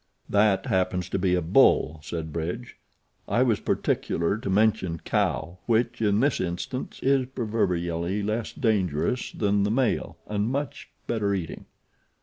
"That happens to be a bull," said Bridge. "I was particular to mention cow, which, in this instance, is proverbially less dangerous than the male, and much better eating.